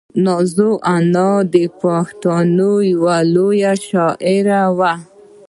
نازو انا د پښتنو یوه لویه شاعره وه.